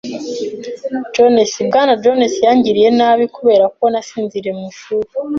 [Jones] Bwana Jones yangiriye nabi kubera ko nasinziriye mu ishuri.